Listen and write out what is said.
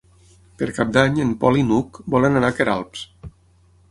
Per Cap d'Any en Pol i n'Hug volen anar a Queralbs.